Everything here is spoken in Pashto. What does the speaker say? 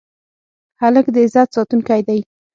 هلک د عزت ساتونکی دی.